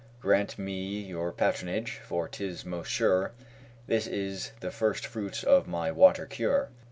Grant me your patronage, for 'tis most sure This is the first fruits of my "Water Cure."